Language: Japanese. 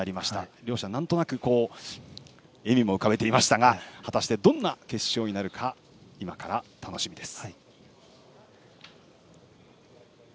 両者なんとなく笑みを浮かべていましたが果たして、どんな決勝になるか今から楽しみです。